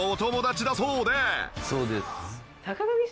「そうです」